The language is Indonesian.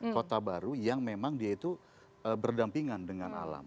kota baru yang memang dia itu berdampingan dengan alam